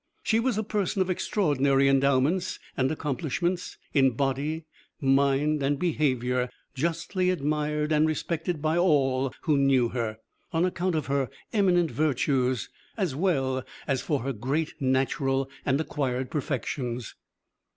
She was a person of extraordinary endowments and accomplishments, in body, mind and behavior; justly admired and respected by all who knew her, on account of her eminent virtues as well as for her great natural and acquired perfections."